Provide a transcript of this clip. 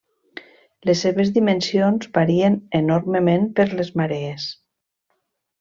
Les seves dimensions varien enormement per les marees.